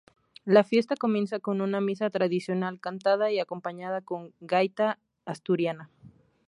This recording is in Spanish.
La fiesta comienza con una misa tradicional cantada y acompañada con gaita asturiana.